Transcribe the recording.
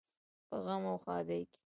په غم او ښادۍ کې.